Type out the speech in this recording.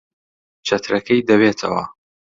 چەترەکەی دەوێتەوە.